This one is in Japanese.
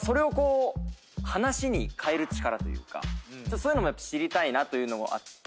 そういうのも知りたいなというのもあって。